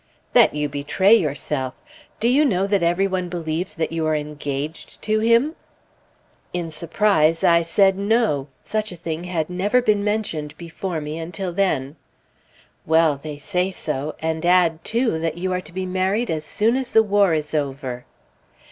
"That you betray yourself. Do you know that every one believes that you are engaged to him?" In surprise I said no; such a thing had never been mentioned before me until then. "Well! they say so, and add, too, that you are to be married as soon as the war is over."